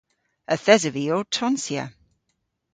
Yth esov vy ow tonsya.